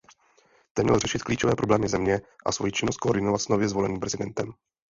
Ten měl řešit klíčové problémy země a svoji činnost koordinovat s nově zvoleným prezidentem.